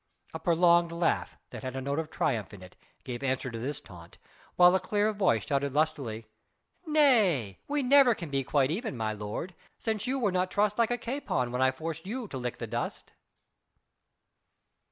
A prolonged laugh, that had a note of triumph in it, gave answer to this taunt, whilst a clear voice shouted lustily: "Nay! we never can be quite even, my lord; since you were not trussed like a capon when I forced you to lick the dust."